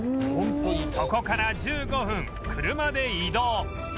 そこから１５分車で移動